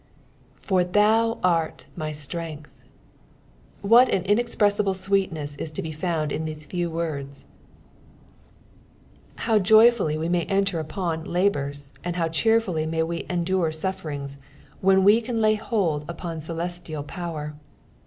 " For thou art my streiiglh."' What an incxpresMblu sweetness is to be found in these few words I How joy fully may we enter upon labours, and how cheerfully may we endure suffeiiugs when we can lay hold upon celestial power.